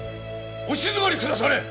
お静まりくだされ！